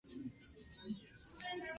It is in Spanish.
Selección absoluta de Argentina Capitán